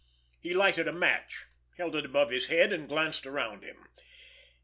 He lighted a match, held it above his head, and glanced around him.